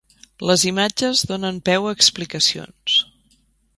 Les imatges donen peu a explicacions.